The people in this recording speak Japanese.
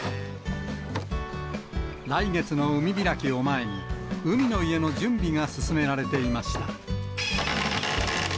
来月の海開きを前に、海の家の準備が進められていました。